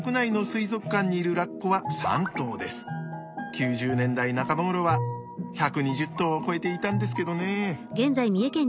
９０年代半ばごろは１２０頭を超えていたんですけどね。